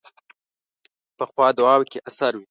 پخو دعاوو کې اثر وي